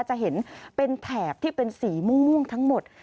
จะเห็นเป็นแถบที่เป็นสีม่วงทั้งหมด